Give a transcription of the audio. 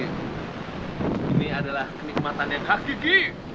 ini adalah kenikmatan yang hakiki